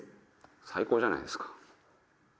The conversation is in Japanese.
最高じゃないですか。